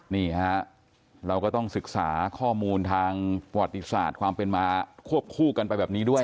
นี่ฮะเราก็ต้องศึกษาข้อมูลทางประวัติศาสตร์ความเป็นมาควบคู่กันไปแบบนี้ด้วย